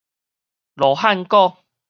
羅漢果